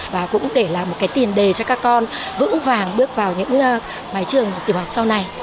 và cũng để là một tiền đề cho các con vững vàng bước vào những bài trường tiệm học sau này